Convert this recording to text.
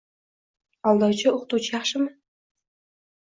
Aldovchi o'qituvchi yaxshimi?